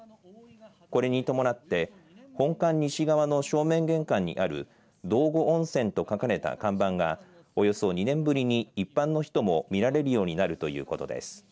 これに伴って本館西側の正面玄関にある道後温泉と書かれた看板がおよそ２年ぶりに一般の人も見られるようになるということです。